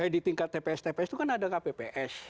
di tingkat tps tps itu kan ada kpps